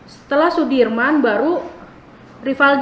setelah sudirman baru rivaldi